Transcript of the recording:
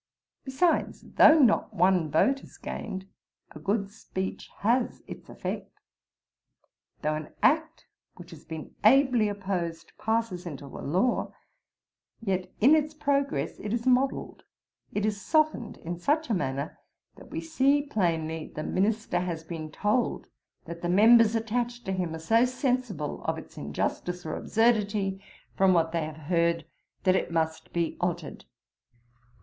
Besides, though not one vote is gained, a good speech has its effect. Though an act which has been ably opposed passes into a law, yet in its progress it is modelled, it is softened in such a manner, that we see plainly the Minister has been told, that the Members attached to him are so sensible of its injustice or absurdity from what they have heard, that it must be altered.'